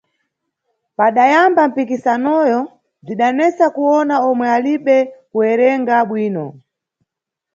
Padayamba mpikisanoyo, bzidanesa kuwona omwe alibe kuwerenga bwino.